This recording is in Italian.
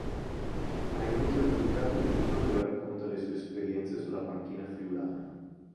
Ha inoltre pubblicato un libro dove racconta le sue esperienze sulla panchina friulana.